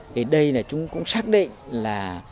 thì đây là chúng cũng xác định là